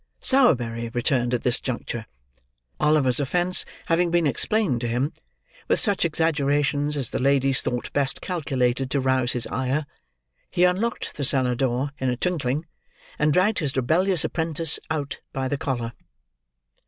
Sowerberry returned at this juncture. Oliver's offence having been explained to him, with such exaggerations as the ladies thought best calculated to rouse his ire, he unlocked the cellar door in a twinkling, and dragged his rebellious apprentice out, by the collar.